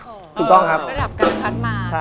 ระดับกรรมคันมา